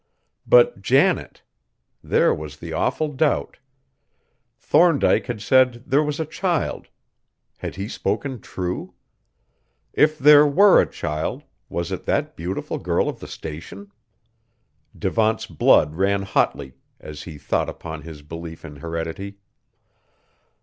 But Janet! There was the awful doubt. Thorndyke had said there was a child, had he spoken true? If there were a child, was it that beautiful girl of the Station? Devant's blood ran hotly, as he thought upon his belief in heredity.